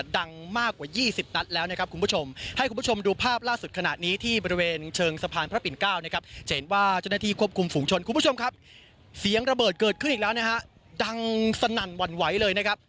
ดังสนั่นวั่นว่ายเลย